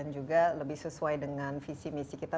juga lebih sesuai dengan visi misi kita